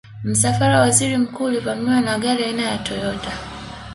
msafara wa waziri mkuu ulivamiwa na gari aina ya toyota